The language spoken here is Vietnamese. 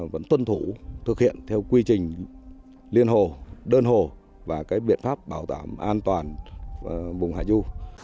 vẫn tuân thủ thực hiện theo quy trình liên hồ đơn hồ và cái biện pháp bảo đảm an toàn vùng hạ du